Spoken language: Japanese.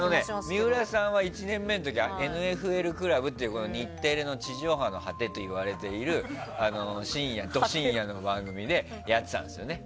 水卜さんは１年目の時「ＮＦＬ倶楽部」っていう日テレの地上波の果てといわれているド深夜の番組でやってたんですよね。